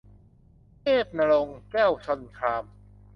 เทพณรงค์ แก้วชลคราม